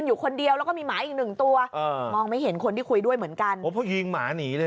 เออแป๊บเดียวก็ปั้งปั้งงใครมีปัญหาน่ะมาหาคุณฉันสิบได้เลย